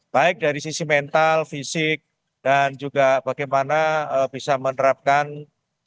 baik dari sisi mental fisik dan juga bagaimana bisa menerapkan protokol kesehatan